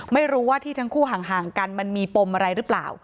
ไม่รู้ว่าที่ทั้งคู่ห่างกันมันมีปมอะไรหรือเปล่า